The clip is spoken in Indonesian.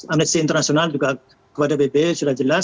amnesty international juga kepada bp sudah jelas